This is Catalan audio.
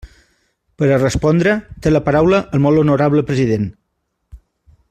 Per a respondre, té la paraula el molt honorable president.